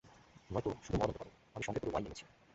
নয়তো, শুধু মদ আনতে পারো, আমি সঙ্গে করে ওয়েইনি এনেছি।